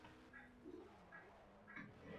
Men bilan o`ynaydimi